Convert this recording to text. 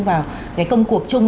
vào cái công cuộc chung